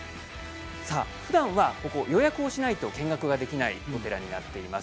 ふだんはここは予約をしないと見学ができないお寺になっています。